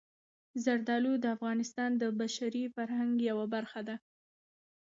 زردالو د افغانستان د بشري فرهنګ یوه برخه ده.